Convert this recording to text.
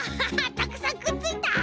たくさんくっついた！